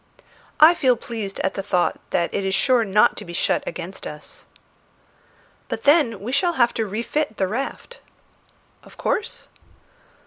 I feel pleased at the thought that it is sure not to be shut against us." "But then we shall have to refit the raft." "Of course."